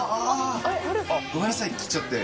ごめんなさい来ちゃって。